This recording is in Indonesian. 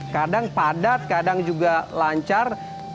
kadang padat kadang juga lancar